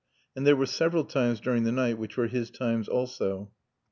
And there were several times during the night which were his times also.